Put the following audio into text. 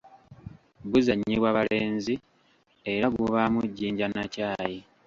Buzannyibwa balenzi era gubaamu jjinja na kyayi.